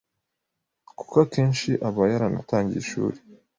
kuko akenshi aba yaranatangiye ishuri.